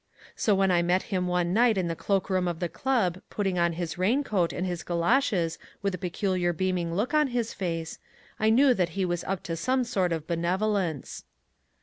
So when I met him one night in the cloak room of the club putting on his raincoat and his galoshes with a peculiar beaming look on his face, I knew that he was up to some sort of benevolence.